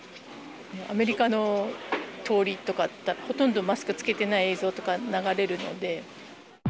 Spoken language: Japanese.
アメリカの通りとか、ほとんどマスク着けてない映像とか流れるので。